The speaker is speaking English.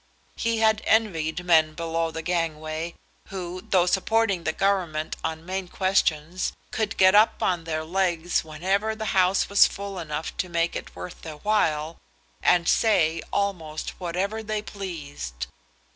He had envied men below the gangway, who, though supporting the Government on main questions, could get up on their legs whenever the House was full enough to make it worth their while, and say almost whatever they pleased.